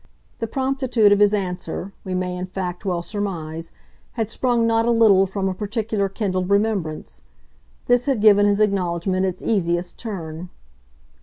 The promptitude of his answer, we may in fact well surmise, had sprung not a little from a particular kindled remembrance; this had given his acknowledgment its easiest turn.